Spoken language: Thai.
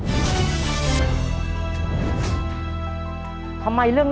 ก็เคยไปเที่ยวก็เลยเลือกวัดท่าหลวงค่ะ